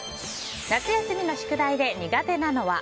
夏休みの宿題で苦手なのは。